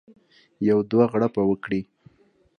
یو دوه غړپه وکړي.